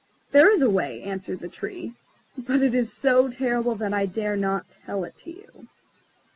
"There is a way," answered the Tree; "but it is so terrible that I dare not tell it to you."